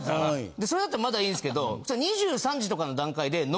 それだったらまだいいんすけど。